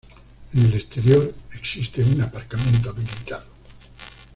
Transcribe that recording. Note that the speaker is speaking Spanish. En el exterior existe un aparcamiento habilitado.